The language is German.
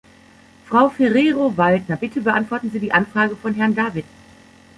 Frau Ferrero-Waldner, bitte beantworten Sie die Anfrage von Herrn David.